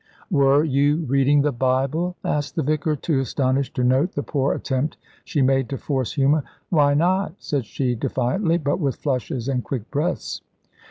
"Were you reading the Bible?" asked the vicar, too astonished to note the poor attempt she made to force humour. "Why not?" said she, defiantly, but with flushes and quick breaths.